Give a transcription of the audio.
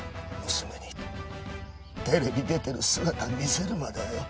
娘にテレビ出てる姿見せるまではよ。